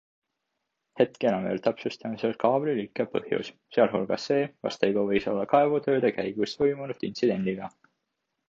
Hetkel on veel täpsustamisel kaablirikke põhjus, sealhulgas see, kas tegu võis olla kaevetööde käigus toimunud intsidendiga.